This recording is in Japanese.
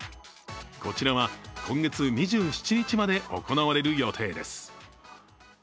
こちらは今月２７日まで行われる予定です。